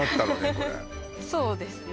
これそうですね